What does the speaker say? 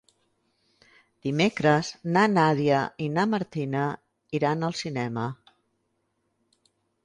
Dimecres na Nàdia i na Martina iran al cinema.